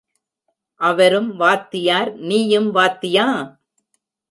அவரும் வாத்தியார், நீயும் வாத்தியா?